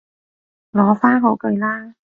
擺返好佢啦